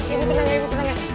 ibu tenang ya ibu tenang ya